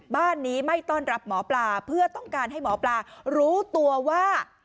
บ้านนี้ไม่ต้อนรับหมอปลาเพื่อต้องการให้หมอปลารู้ตัวว่า